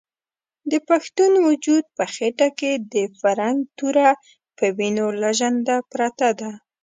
د پښتون وجود په خېټه کې د فرنګ توره په وینو لژنده پرته ده.